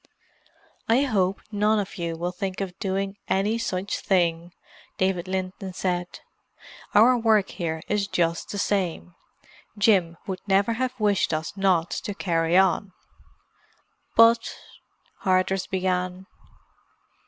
"I hope none of you will think of doing any such thing," David Linton said. "Our work here is just the same. Jim would never have wished us not to carry on." "But——" Hardress began.